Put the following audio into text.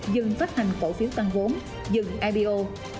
dừng phát hành cổ phiếu tăng vốn dừng ipo